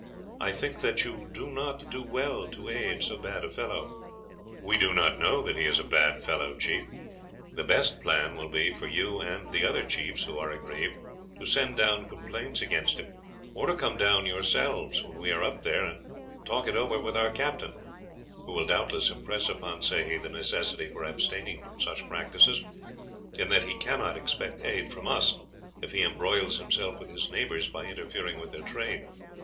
I think that you do not do well to aid so bad a fellow." "We did not know that he was a bad fellow, chief. The best plan will be for you and the other chiefs who are aggrieved to send down complaints against him, or to come down yourselves when we are up there and talk it over with our Captain, who will doubtless impress upon Sehi the necessity for abstaining from such practices, and that he cannot expect aid from us if he embroils himself with his neighbors by interfering with their trade.